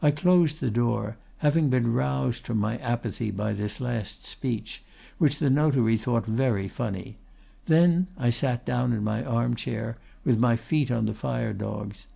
"I closed my door, having been roused from my apathy by this last speech, which the notary thought very funny; then I sat down in my armchair, with my feet on the fire dogs.